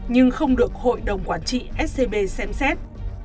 nhưng không được hội đồng quản trị scb xem xét